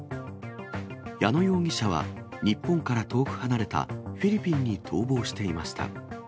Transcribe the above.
矢野容疑者は、日本から遠く離れたフィリピンに逃亡していました。